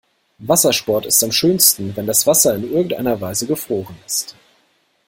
Wassersport ist am schönsten, wenn das Wasser in irgendeiner Weise gefroren ist.